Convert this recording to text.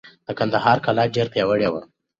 د کندهار کلا ډېره پیاوړې وه.